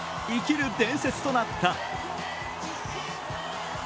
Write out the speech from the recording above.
生きる伝説となった。